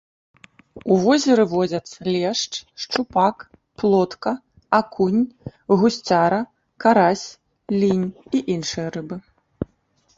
У возеры водзяцца лешч, шчупак, плотка, акунь, гусцяра, карась, лінь і іншыя рыбы.